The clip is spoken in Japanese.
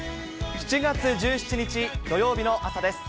７月１７日土曜日の朝です。